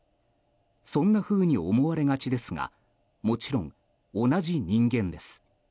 そんなふうに思われがちですがもちろん、同じ人間です。